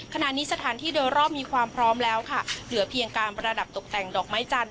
ขณะนี้สถานที่โดยรอบมีความพร้อมแล้วค่ะเหลือเพียงการประดับตกแต่งดอกไม้จันท